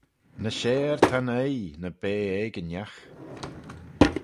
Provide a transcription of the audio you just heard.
Ny share ta'n oaie na bea eginagh